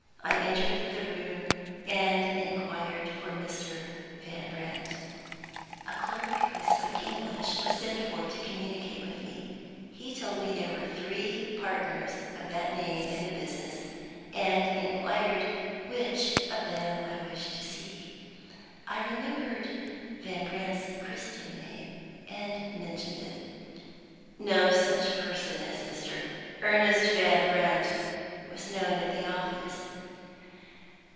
I entered the room and inquired for Mr. Van Brandt. A clerk who spoke English was sent for to communicate with me. He told me there were three partners of that name in the business, and inquired which of them I wished to see. I remembered Van Brandt's Christian name, and mentioned it. No such person as "Mr. Ernest Van Brandt" was known at the office.